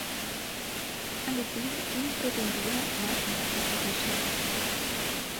Але фільм не прэтэндуе на энцыклапедычнасць.